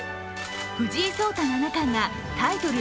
藤井聡太七冠がタイトル